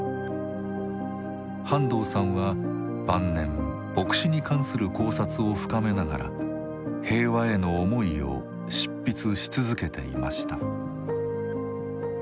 半藤さんは晩年墨子に関する考察を深めながら平和への思いを執筆し続けていました。